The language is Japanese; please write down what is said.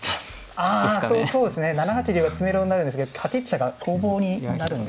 あそうですね７八竜は詰めろになるんですけど８一飛車が攻防になるんですね。